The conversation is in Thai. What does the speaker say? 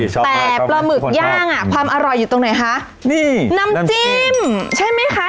แต่ปลาหมึกย่างอ่ะความอร่อยอยู่ตรงไหนคะนี่น้ำจิ้มใช่ไหมคะ